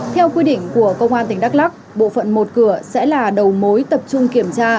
theo quy định của công an tỉnh đắk lắc bộ phận một cửa sẽ là đầu mối tập trung kiểm tra